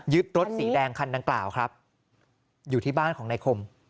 รถสีแดงคันดังกล่าวครับอยู่ที่บ้านของนายคม